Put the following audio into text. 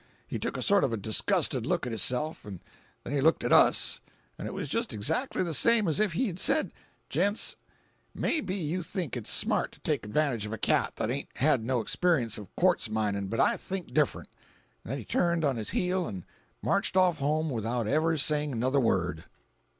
He took a sort of a disgusted look at hisself, 'n' then he looked at us—an' it was just exactly the same as if he had said—'Gents, may be you think it's smart to take advantage of a cat that 'ain't had no experience of quartz minin', but I think different'—an' then he turned on his heel 'n' marched off home without ever saying another word.